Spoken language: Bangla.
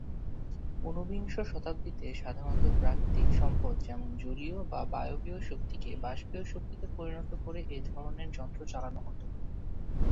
উনবিংশ শতাব্দীতে সাধারণত প্রাকৃতিক সম্পদ যেমন, জলীয় বা বায়বীয় শক্তিকে বাষ্পীয় শক্তিতে পরিণত করে এ ধরনের যন্ত্র চালানো হত।